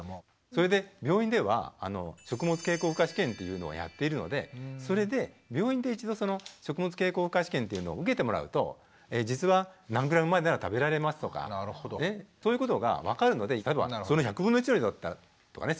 それで病院では食物経口負荷試験っていうのをやっているのでそれで病院で一度その食物経口負荷試験っていうのを受けてもらうと実は何グラムまでなら食べられますとかそういうことが分かるのでその１００分の１の量だったらとかね